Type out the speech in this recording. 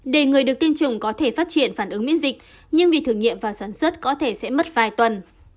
để người được tiêm chủng có thể phát triển phản ứng miễn dịch nhưng việc thử nghiệm và sản xuất có thể sẽ mất vài tuần